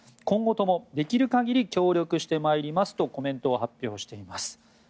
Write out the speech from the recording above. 今後ともできる限り協力してまいりますとコメントを発表しています。